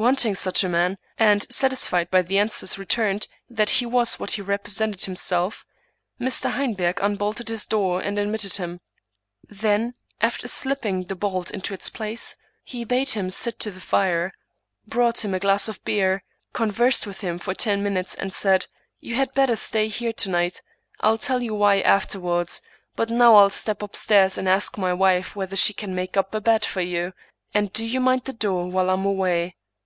Want ing such a man, and satisfied by the answers returned that he was what he represented himself, Mr. Heinberg unbolted his door and admitted him. Then, after slipping the bolt into its place, he bade him sit to the fire, brought him a glass of beer, conversed with him for ten minutes, and said :" You had better stay here to night ; I'll tell you why after wards ; but now I'll step upstairs, and ask my wife whether she can make up a bed for you ; and do you mind the door while I'm away."